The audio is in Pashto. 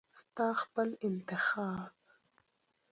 ستا خپل انتخاب .